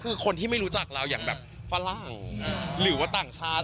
คือคนที่ไม่รู้จักเราอย่างแบบฝรั่งหรือว่าต่างชาติ